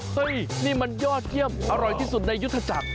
เฮ้ยนี่มันยอดเยี่ยมอร่อยที่สุดในยุทธจักร